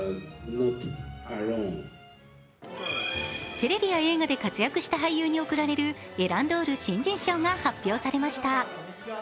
テレビや映画で活躍した俳優に贈られるエランドール新人賞が発表されました。